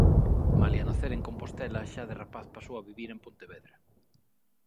Malia nacer en Compostela xa de rapaz pasou a vivir en Pontevedra.